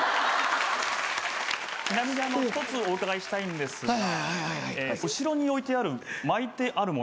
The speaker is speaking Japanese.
ちなみに１つお伺いしたいんですが後ろに置いてある巻いてある物